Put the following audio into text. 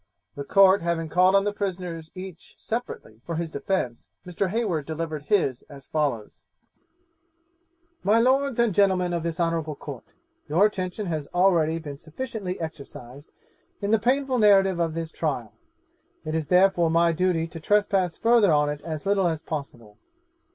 The Court having called on the prisoners, each separately, for his defence, Mr. Heywood delivered his as follows: 'My lords and gentlemen of this honourable Court, Your attention has already been sufficiently exercised in the painful narrative of this trial; it is therefore my duty to trespass further on it as little as possible.